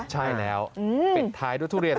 ใช่แล้วปิดท้ายด้วยทุเรียน